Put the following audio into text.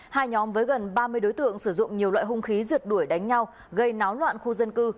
hai nhóm với gần ba mươi đối tượng sử dụng nhiều loại hung khí rượt đuổi đánh nhau gây náo loạn khu dân cư